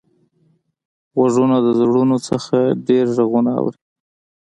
غوږونه د زړونو نه ډېر غږونه اوري